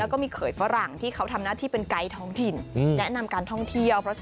แล้วก็มีเขยฝรั่งที่เขาทำหน้าที่เป็นไกด์ท้องถิ่นแนะนำการท่องเที่ยว